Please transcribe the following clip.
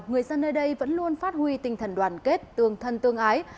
người dân nơi đây vẫn luôn phát huy tinh thần đoàn kết tương thân tương ái